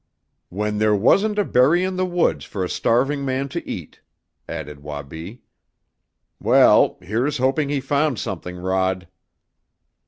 "When there wasn't a berry in the woods for a starving man to eat," added Wabi. "Well, here's hoping he found something, Rod."